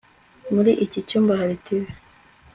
Muri iki cyumba hari TV